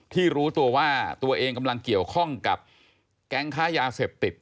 รู้ตัวว่าตัวเองกำลังเกี่ยวข้องกับแก๊งค้ายาเสพติด